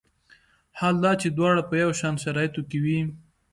حال دا چې دواړه په یو شان شرایطو کې وي.